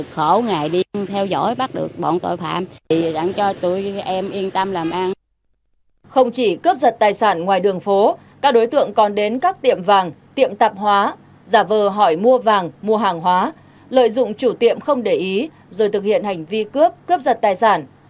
không chỉ cướp giật tài sản ngoài đường phố các đối tượng còn đến các tiệm vàng tiệm tạp hóa giả vờ hỏi mua vàng mua hàng hóa lợi dụng chủ tiệm không để ý rồi thực hiện hành vi cướp cướp giật tài sản